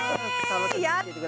やった。